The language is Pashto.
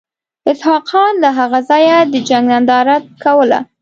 اسحق خان له هغه ځایه د جنګ ننداره کوله.